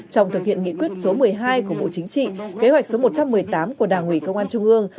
trong thực hiện nghị quyết số một mươi hai của bộ chính trị kế hoạch số một trăm một mươi tám của đảng ủy công an trung ương